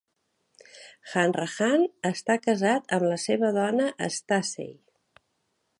Hanrahan està casat amb la seva dona Stacey.